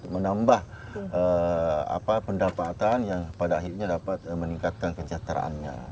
menambah pendapatan yang pada akhirnya dapat meningkatkan kesejahteraannya